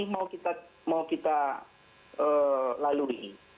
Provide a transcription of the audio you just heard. sampai kapan ini mau kita lalui